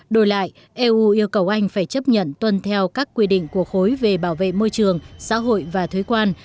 đổi lại eu yêu cầu anh phải chấp nhận tuân theo các quy định của khối về bảo vệ môi trường xã hội và thuế quan